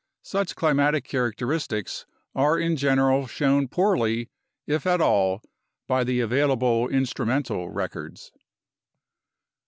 Such climatic characteristics are in general shown poorly, if at all, by the available instrumental records.